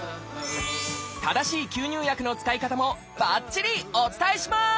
正しい吸入薬の使い方もばっちりお伝えします！